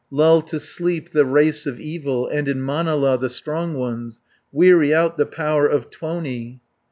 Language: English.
Lull to sleep the race of evil, 220 And in Manala the strong ones, Weary out the power of Tuoni!"